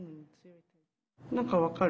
何か分かる？